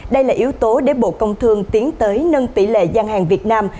đây là yếu tố để bộ công thương tiến tới nâng tỷ lệ gian hàng việt nam